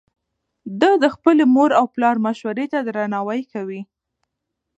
ده د خپلې مور او پلار مشورې ته درناوی کوي.